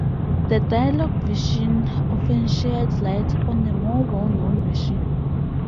The dialogue version often sheds light on the more well-known version.